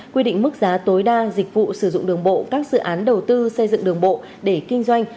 quy định mức giá tối đa dịch vụ sử dụng đường bộ các dự án đầu tư xây dựng đường bộ để kinh doanh